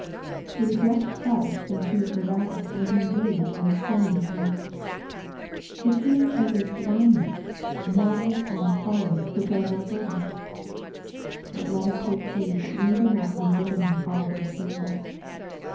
To reject Christ and choose Barabbas was indeed an astounding act J It seems as if blindness, madness, and folly could go no further. But let us take heed that we do not unwittingly follow their example.